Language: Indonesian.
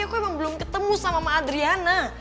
aku emang belum ketemu sama mama adriana